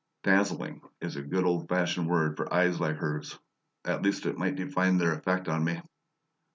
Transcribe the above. "Dazzling" is a good old fashioned word for eyes like hers; at least it might define their effect on me.